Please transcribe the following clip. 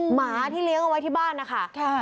หมาที่เลี้ยงเอาไว้ที่บ้านนะคะ